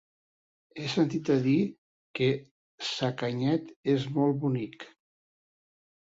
He sentit a dir que Sacanyet és molt bonic.